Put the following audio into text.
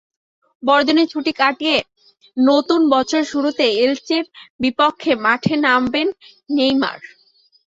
বড়দিনের ছুটি কাটিয়ে নতুন বছরের শুরুতে এলচের বিপক্ষে মাঠে নামবেন নেইমার।